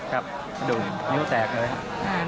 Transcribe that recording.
กระดูกนิ้วแตกเลย